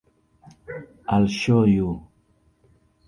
I'll show you.